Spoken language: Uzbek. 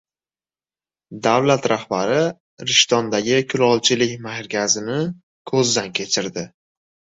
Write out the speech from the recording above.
Davlat rahbari Rishtondagi kulolchilik markazini ko‘zdan kechirdi